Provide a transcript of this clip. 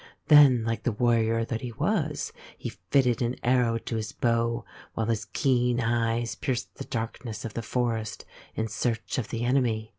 Then, like the warrior that he was, he fitted an arrow to his bow while his keen eyes pierced the darkness of the forest in search of the enemy.